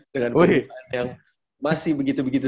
dengan perubahan yang masih begitu begitu